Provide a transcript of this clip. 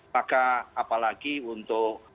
maka apalagi untuk